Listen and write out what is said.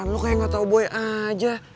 lo kayak gak tau gue aja